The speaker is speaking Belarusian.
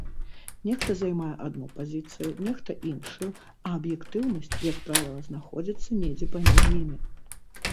Нехта займае адну пазіцыю, нехта іншую, а аб'ектыўнасць, як правіла, знаходзіцца недзе паміж імі.